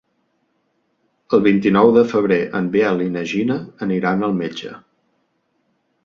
El vint-i-nou de febrer en Biel i na Gina aniran al metge.